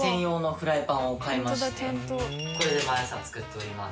これで毎朝作っております。